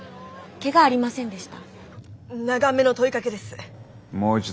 けがありませんでした？